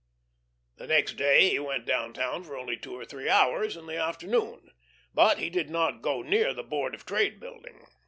The next day he went down town for only two or three hours in the afternoon. But he did not go near the Board of Trade building.